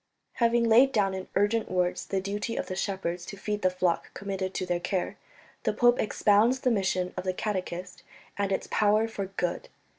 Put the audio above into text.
Having laid down in urgent words the duty of the shepherds to feed the flock committed to their care, the pope expounds the mission of the catechist, and its power for good.